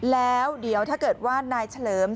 แล้วเดี๋ยวถ้าเกิดว่านายเฉลิม